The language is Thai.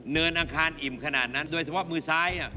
เนินอางคารอิ่มขนาดนั้นโดยสำหรับมือซ้าย